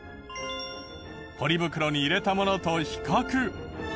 ポリ袋に入れたものと比較。